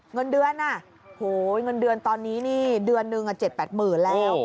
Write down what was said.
เงินเดือนตอนนี้นะเดือนนึง๗๘หมื่นแล้ว